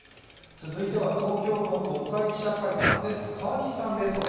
続いては東京の国会記者会館です。